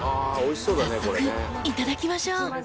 ［早速いただきましょう］